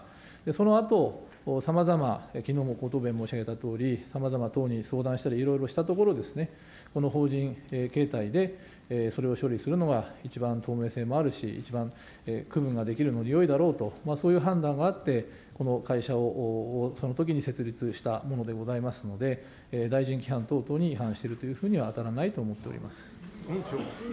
そのあと、さまざまきのうもご答弁申し上げたとおり、さまざま相談したり、いろいろしたところ、この法人形態でそれを処理するのが一番透明性もあるし、一番区分ができるのによいだろうと、そういう判断があって、この会社をそのときに設立したものでございますので、大臣規範等々に違反しているというふうには当たらないと思っております。